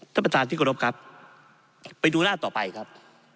ท่านประธานที่กรบครับไปดูหน้าต่อไปครับ